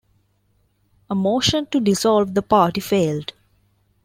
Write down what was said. A motion to dissolve the party failed.